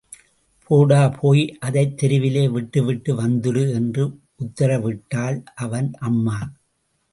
போடா, போய் அதைத் தெருவிலே விட்டுவிட்டு வந்துடு! என்று உத்தரவிட்டாள் அவன் அம்மா.